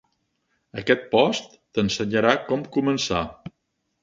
Aquest post t'ensenyarà com començar.